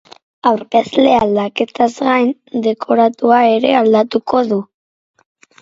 Aurkezle aldaketaz gain, dekoratua ere aldatuko du.